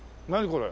これ。